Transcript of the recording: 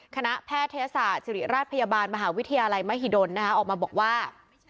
แพทยศาสตร์ศิริราชพยาบาลมหาวิทยาลัยมหิดลออกมาบอกว่า